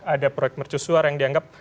ada proyek mercusuar yang dianggap